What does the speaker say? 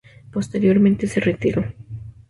Posteriormente se retiró.